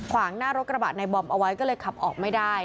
ขวางหน้ารถกระบะในบอมเอาไว้ก็เลยขับออกไม่ได้